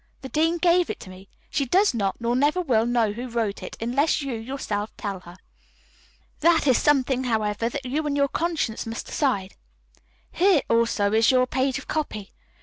The dean gave it to me. She does not nor never will know who wrote it, unless you, yourself, tell her. That is something, however, that you and your conscience must decide. Here also is your page of copy.